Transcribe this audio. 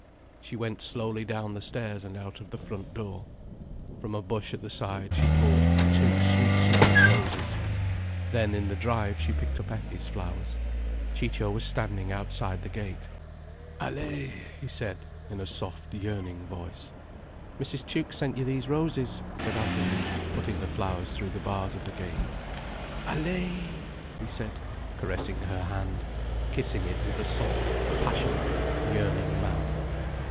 She went slowly down the stairs and out of the front door. From a bush at the side she pulled two sweet smelling roses. Then in the drive she picked up Effie's flowers. Ciccio was standing outside the gate. "Allaye!" he said, in a soft, yearning voice. "Mrs. Tuke sent you these roses," said Alvina, putting the flowers through the bars of the gate. "Allaye!" he said, caressing her hand, kissing it with a soft, passionate, yearning mouth.